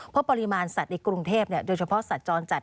เพราะปริมาณสัตว์ในกรุงเทพโดยเฉพาะสัตว์จรจัด